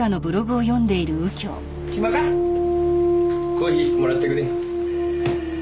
コーヒーもらってくね。